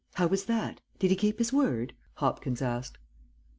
How was that? Did he keep his word?" Hopkins asked.